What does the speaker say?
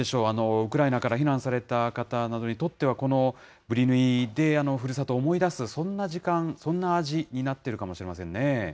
ウクライナから避難された方などにとっては、このブリヌイでふるさとを思い出す、そんな時間、そんな味になってるかもしれませんね。